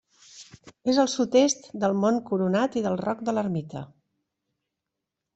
És al sud-est del Mont Coronat i del Roc de l'Ermita.